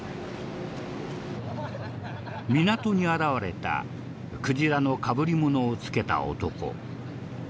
港に現れたクジラのかぶり物を着けた男。